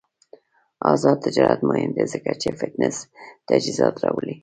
آزاد تجارت مهم دی ځکه چې فټنس تجهیزات راوړي.